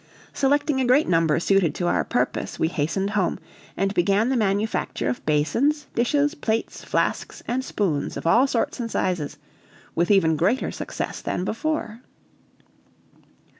Selecting a great number suited to our purpose, we hastened home, and began the manufacture of basins, dishes, plates, flasks, and spoons of all sorts and sizes, with even greater success than before.